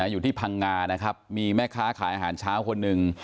อยู่ที่พังงานะครับมีแม่ค้าขายอาหารเช้าคนหนึ่ง